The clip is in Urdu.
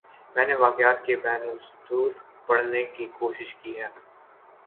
میں نے واقعات کے بین السطور پڑھنے کی کوشش کی ہے۔